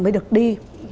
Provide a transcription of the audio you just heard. mới được đi